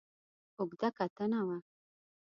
اوږده کتنه وه.